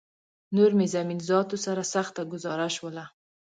نور مې زمین ذاتو سره سخته ګوزاره شوله